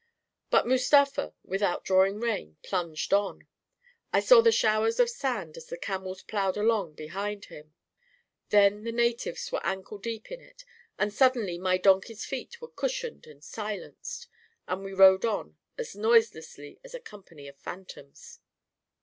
But Mustafa, without drawing rein, plunged on; I saw the showers of sand as the camels plowed along behind him ; then the natives were ankle deep in it; and suddenly my donkey's feet were cushioned and silenced, and we rode on as noiselessly as a company of phantoms.